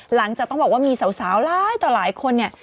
หลังจากต้องบอกว่ามีสาวหลายต่อหลายคนเนี่ย